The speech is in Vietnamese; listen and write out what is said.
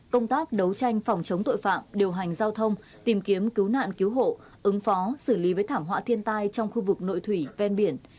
công tác đấu tranh phòng chống tội phạm điều hành giao thông tìm kiếm cứu nạn cứu hộ ứng phó xử lý với thảm họa thiên tai trong khu vực nội thủy ven biển